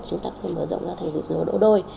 chúng ta có thể mở rộng ra thành vịnh rừng đỗ đôi